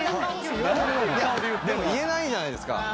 でも言えないじゃないですか。